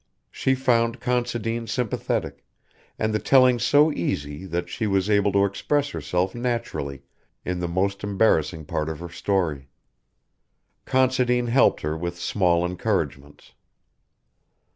She found Considine sympathetic, and the telling so easy that she was able to express herself naturally in the most embarrassing part of her story. Considine helped her with small encouragements.